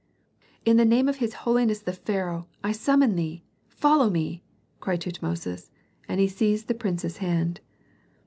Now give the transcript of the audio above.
"In the name of his holiness the pharaoh, I summon thee, follow me!" cried Tutmosis; and he seized the prince's hand.